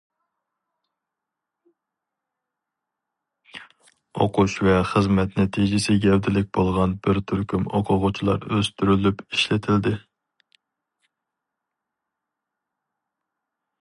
ئوقۇش ۋە خىزمەت نەتىجىسى گەۋدىلىك بولغان بىر تۈركۈم ئوقۇغۇچىلار ئۆستۈرۈلۈپ ئىشلىتىلدى.